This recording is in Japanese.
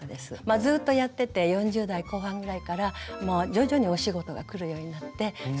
ずっとやってて４０代後半ぐらいから徐々にお仕事がくるようになってそれからですね